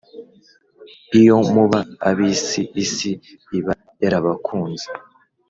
Iyo muba abisi isi iba yarabakunze